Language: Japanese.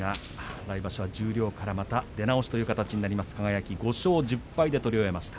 来場所は十両からまた出直しということになりました。